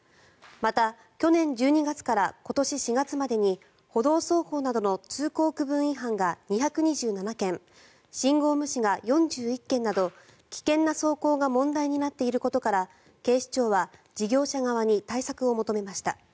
また、去年１２月から今年４月までに歩道走行などの通行区分違反が２２７件信号無視が４１件など危険な走行が問題になっていることから警視庁は事業者側に対策を求めました。